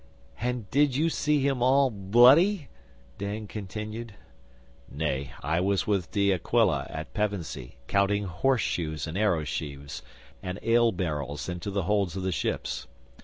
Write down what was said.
'And did you see him all bloody?' Dan continued. 'Nay, I was with De Aquila at Pevensey, counting horseshoes, and arrow sheaves, and ale barrels into the holds of the ships.